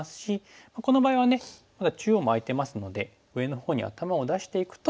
この場合はまだ中央も空いてますので上のほうに頭を出していくと。